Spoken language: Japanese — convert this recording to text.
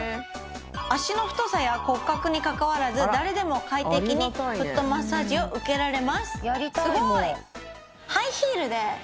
足の太さや骨格にかかわらず誰でも快適にフットマッサージを受けられます。